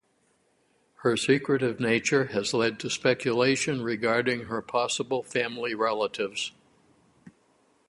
Her secretive nature has led to speculation regarding her possible family relatives.